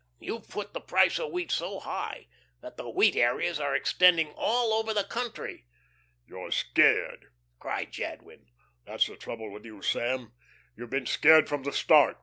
you've put the price of wheat so high, that the wheat areas are extending all over the country." "You're scared," cried Jadwin. "That's the trouble with you, Sam. You've been scared from the start.